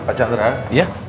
pak chandra iya